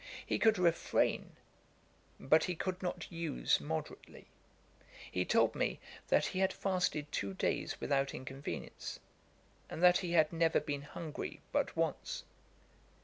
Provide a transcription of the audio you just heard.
He could refrain, but he could not use moderately. He told me, that he had fasted two days without inconvenience, and that he had never been hungry but once.